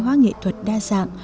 trong văn hóa nghệ thuật đa dạng